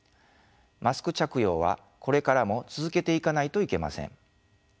マスク着用はこれからも続けていかないといけません。